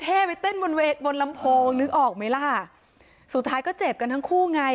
ไปเต้นบนบนลำโพงนึกออกไหมล่ะสุดท้ายก็เจ็บกันทั้งคู่ไง